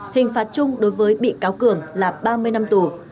hình phạt chung đối với bị cáo cường là ba mươi năm tù